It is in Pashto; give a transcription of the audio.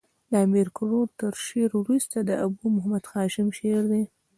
د امیر کروړ تر شعر وروسته د ابو محمد هاشم شعر دﺉ.